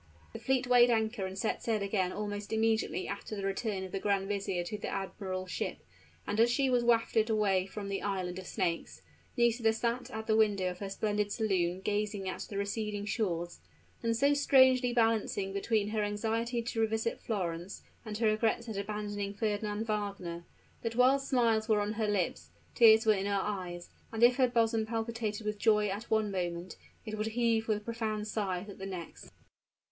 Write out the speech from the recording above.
The fleet weighed anchor and set sail again almost immediately after the return of the grand vizier to the admiral's ship; and as she was wafted away from the Island of Snakes, Nisida sat at the window of her splendid saloon gazing at the receding shores, and so strangely balancing between her anxiety to revisit Florence and her regrets at abandoning Fernand Wagner, that while smiles were on her lips, tears were in her eyes, and if her bosom palpitated with joy at one moment it would heave with profound sighs at the next.